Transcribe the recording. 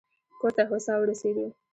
کور ته هوسا ورسېدو.